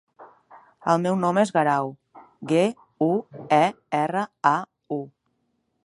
El meu nom és Guerau: ge, u, e, erra, a, u.